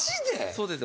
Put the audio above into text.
そうです。